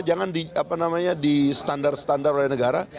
jangan di apa namanya di standar standar oleh negara